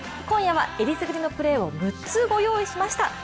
今夜は選りすぐりのプレーを６つ、ご用意しました。